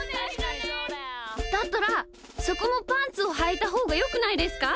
だったらそこもパンツをはいたほうがよくないですか？